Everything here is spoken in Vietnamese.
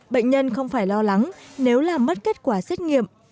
bệnh nhân không phải lo lắng nếu làm mất kết quả xét nghiệm